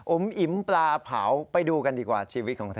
อิ๋มปลาเผาไปดูกันดีกว่าชีวิตของเธอ